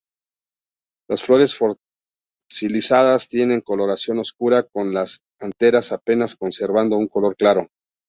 Las flores fosilizadas tienen coloración oscura, con las anteras apenas conservando un color claro.